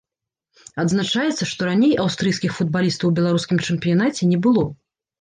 Адзначаецца, што раней аўстрыйскіх футбалістаў у беларускім чэмпіянаце не было.